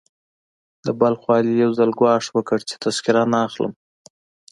د بلخ والي يو ځل ګواښ وکړ چې تذکره نه اخلم.